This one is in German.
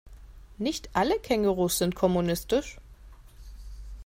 Nicht alle Kängurus sind kommunistisch.